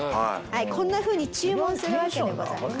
こんなふうに注文するわけでございます。